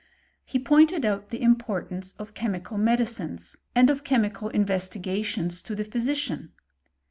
He pointed out the impa^ chemical medicines, and of chemical investigjijif the physician.